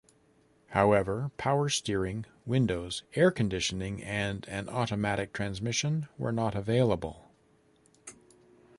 However, power steering, windows, air conditioning, and an automatic transmission were not available.